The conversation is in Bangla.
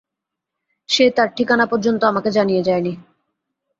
সে তার ঠিকানা পর্যন্ত আমাকে জানিয়ে যায়নি।